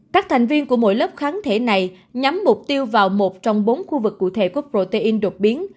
các thành viên của mỗi lớp kháng thể này nhắm mục tiêu vào một trong bốn khu vực cụ thể của protein đột biến